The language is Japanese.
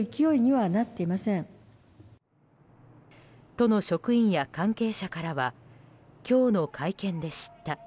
都の職員や関係者からは今日の会見で知った。